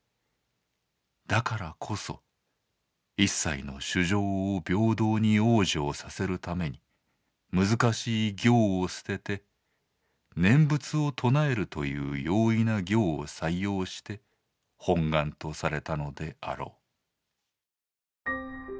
だからこそ一切の衆生を平等に往生させるために難しい行を捨てて念仏を称えるという容易な行を採用して本願とされたのであろう」。